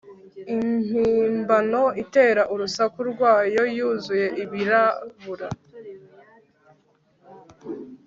Impimbano itera urusaku rwayo yuzuye ibirabura